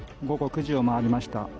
午後９時を回りました。